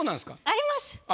あります。